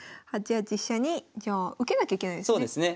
８八飛車にじゃあ受けなきゃいけないですね。